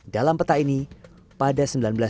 dalam peta ini pada